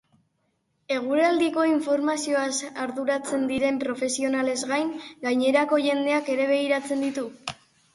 Eguraldiko informazioaz arduratzen diren profesionalez gain, gainerako jendeak ere begiratzen ditu?